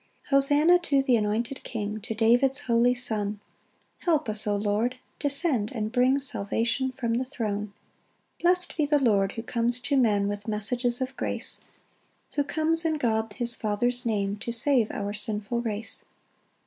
3 Hosanna to th' anointed King, To David's holy Son: Help us, O Lord; descend and bring Salvation from the throne. 4 Blest be the Lord, who comes to men With messages of grace; Who comes in God his Father's Name To save our sinful race.